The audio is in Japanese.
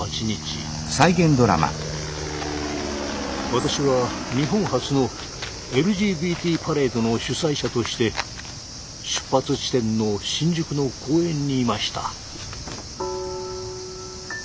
私は日本初のＬＧＢＴパレードの主催者として出発地点の新宿の公園にいました。